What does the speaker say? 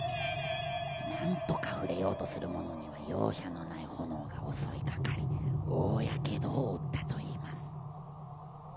「何とか触れようとする者には容赦のない炎が襲い掛かり大やけどを負ったといいます」